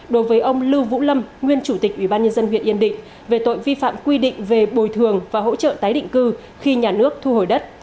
đối với ông lưu vũ lâm nguyên chủ tịch ủy ban nhân dân huyện yên định về tội vi phạm quy định về bồi thường và hỗ trợ tái định cư khi nhà nước thu hồi đất